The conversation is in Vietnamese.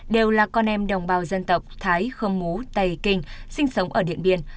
đều là con em đồng bào dân tộc thái khâm mú tây kinh sinh sống ở điện biên